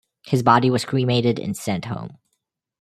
His body was cremated and sent home.